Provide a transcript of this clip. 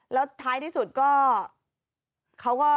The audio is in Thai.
แล้วท้ายที่สุดก็